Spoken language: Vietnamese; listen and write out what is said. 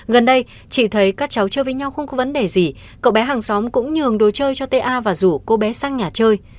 gần đây chị thấy các cháu chơi với nhau không có vấn đề gì cậu bé hàng xóm cũng nhường đồ chơi cho ta và rủ cô bé sang nhà chơi